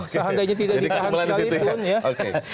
seandainya tidak dikahan sekalipun